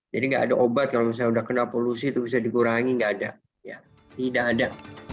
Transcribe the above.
jadi nggak ada obat kalau misalnya sudah kena polusi itu bisa dikurangi nggak ada tidak ada